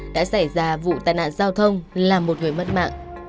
đã xảy ra vụ tai nạn giao thông làm một người mất mạng